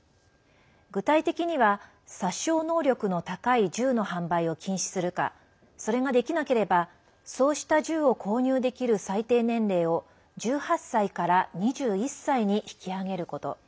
具体的には殺傷能力の高い銃の販売を禁止するかそれができなければそうした銃を購入できる最低年齢を１８歳から２１歳に引き上げること。